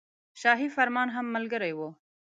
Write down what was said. شاهي فرمان هم ملګری وو.